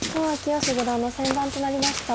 義五段の先番となりました。